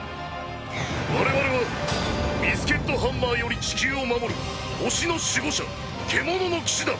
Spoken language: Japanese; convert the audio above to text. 我々はビスケットハンマーより地球を守る惑星の守護者獣の騎士団。